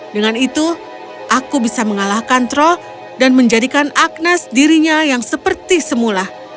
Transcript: dengan itu aku bisa mengalahkan troll dan menjadikan agnes dirinya yang seperti semula